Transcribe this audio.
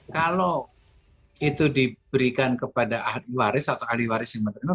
kalau itu diberikan kepada ahli waris atau ahli waris yang menerima